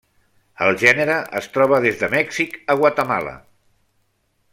El gènere es troba des de Mèxic a Guatemala.